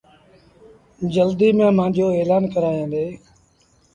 جلديٚ ميݩ مآݩجو ايلآج ڪرآيآندي